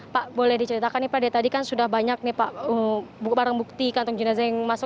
pak boleh diceritakan nih pak dari tadi kan sudah banyak nih pak barang bukti kantung jenazah yang masuk